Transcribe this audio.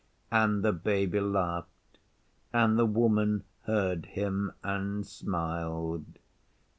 And the Baby laughed; and the Woman heard him and smiled.